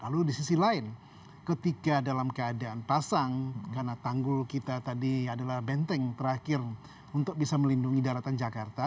lalu di sisi lain ketika dalam keadaan pasang karena tanggul kita tadi adalah benteng terakhir untuk bisa melindungi daratan jakarta